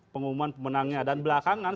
pengumuman pemenangnya dan belakangan